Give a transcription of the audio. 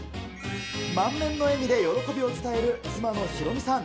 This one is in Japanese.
満面の笑みで喜びを伝える妻のひろみさん。